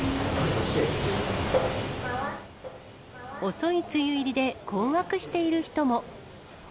遅い梅雨入りで困惑している人も。